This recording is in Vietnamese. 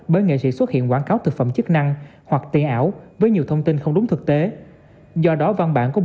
bởi nghệ sĩ xuất hiện quảng cáo thực phẩm chức năng